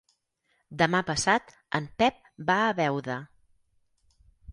Demà passat en Pep va a Beuda.